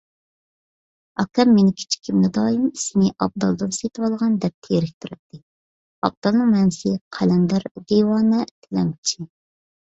ئاكام مېنى كىچىكىمدە دائىم «سېنى ئابدالدىن سېتىۋالغان» دەپ تېرىكتۈرەتتى. ئابدالنىڭ مەنىسى: قەلەندەر، دىۋانە، تىلەمچى.